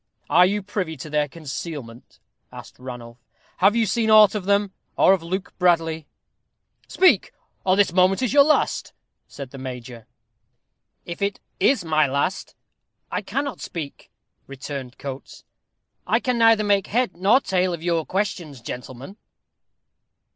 "Are you privy to their concealment?" asked Ranulph. "Have you seen aught of them, or of Luke Bradley?" "Speak, or this moment is your last," said the major. "If it is my last, I cannot speak," returned Coates. "I can make neither head nor tail of your questions, gentlemen."